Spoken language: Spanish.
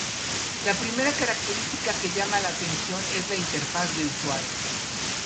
La primera característica que llama la atención es la interfaz de usuario.